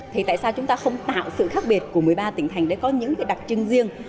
thì tại sao chúng ta không tạo sự khác biệt của một mươi ba tỉnh thành để có những đặc trưng riêng